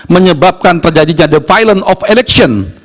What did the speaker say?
menyebabkan terjadinya defilement of election